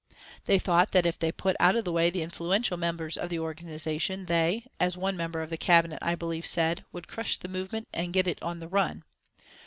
They thought that if they put out of the way the influential members of the organisation they, as one member of the Cabinet, I believe, said, would crush the movement and get it 'on the run.'